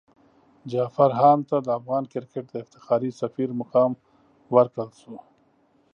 جعفر هاند ته د افغان کرکټ د افتخاري سفیر مقام ورکړل شو.